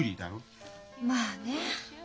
まあね。